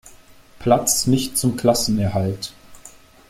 Platz nicht zum Klassenerhalt.